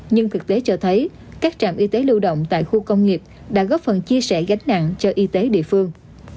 nhưng thực tế cho thấy các trạm y tế lưu động tại khu công nghiệp đã góp phần chia sẻ gánh nặng cho y tế địa phương